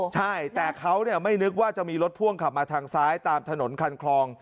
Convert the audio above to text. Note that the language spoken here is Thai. ใช่แต่เขาไม่นึกว่าจะมีรถพ่วงขับมาทางซ้ายตามถนนคันคลอง